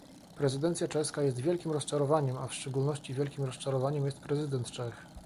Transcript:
Prezydencja czeska jest wielkim rozczarowaniem, a w szczególności wielkim rozczarowaniem jest prezydent Czech